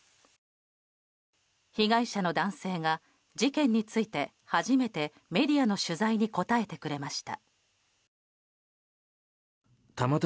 被害者の男性が事件について初めてメディアの取材に答えてくれました。